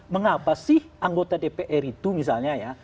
mengapa sih anggota dpr itu misalnya ya